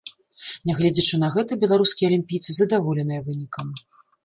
Нягледзячы на гэта, беларускія алімпійцы задаволеныя вынікам.